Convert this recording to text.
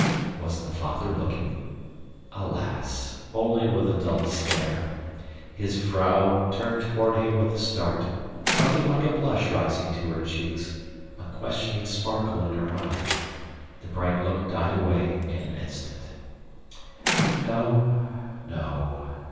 Was the father looking? Alas! only with a dull stare. His vrouw turned toward him with a start, something like a blush rising to her cheeks, a questioning sparkle in her eye. The bright look died away in an instant. "No, no."